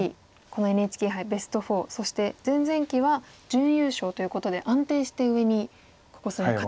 このＮＨＫ杯ベスト４そして前々期は準優勝ということで安定して上にここ数年勝ち上がって。